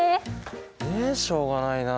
ええしょうがないな。